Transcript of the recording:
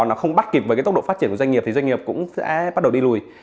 nó không bắt kịp với cái tốc độ phát triển của doanh nghiệp thì doanh nghiệp cũng sẽ bắt đầu đi lùi